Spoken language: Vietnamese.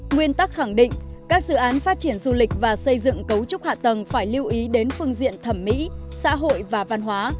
nguyên tắc khẳng định các dự án phát triển du lịch và xây dựng cấu trúc hạ tầng phải lưu ý đến phương diện thẩm mỹ xã hội và văn hóa